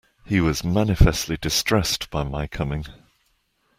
He was manifestly distressed by my coming.